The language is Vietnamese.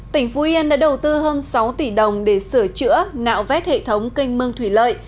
tỉnh phú yên đã đầu tư hơn sáu tỷ đồng để sửa chữa nạo vét hệ thống kênh mương thủy lợi